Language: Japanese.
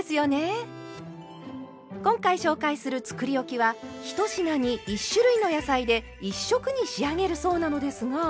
今回紹介するつくりおきは１品に１種類の野菜で１色に仕上げるそうなのですが。